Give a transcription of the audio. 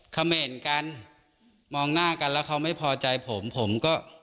เขม่นกันมองหน้ากันแล้วเขาไม่พอใจผมผมก็